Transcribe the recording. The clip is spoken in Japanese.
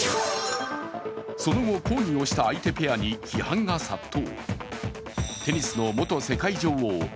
その後、抗議をした相手ペアに批判が殺到。